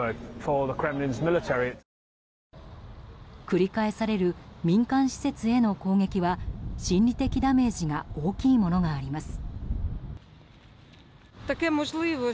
繰り返される民間施設への攻撃は心理的ダメージが大きいものがあります。